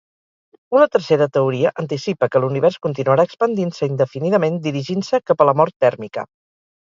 Una tercera teoria anticipa que l'univers continuarà expandint-se indefinidament dirigint-se cap a la mort tèrmica.